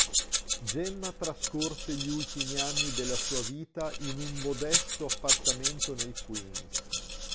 Gemma trascorse gli ultimi anni della sua vita in un modesto appartamento nel Queens.